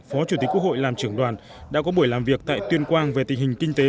phó chủ tịch quốc hội làm trưởng đoàn đã có buổi làm việc tại tuyên quang về tình hình kinh tế